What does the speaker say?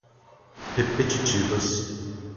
repetitivas